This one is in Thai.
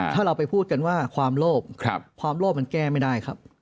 ถ้าเราไปพูดกันว่าความโลภความโลภมันแก้ไม่ได้ครับ